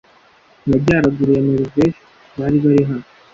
majyaruguru ya Noruveje bari bari hano